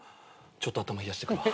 ちょっと頭冷やしてくるわ。